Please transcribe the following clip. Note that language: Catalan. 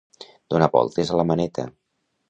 Donar voltes a la maneta.